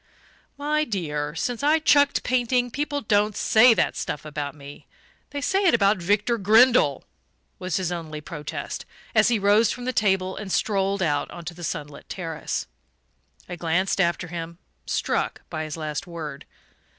"My dear, since I've chucked painting people don't say that stuff about me they say it about Victor Grindle," was his only protest, as he rose from the table and strolled out onto the sunlit terrace. I glanced after him, struck by his last word.